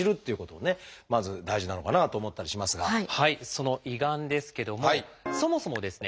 その胃がんですけどもそもそもですね